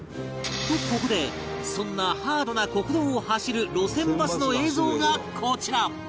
とここでそんなハードな酷道を走る路線バスの映像がこちら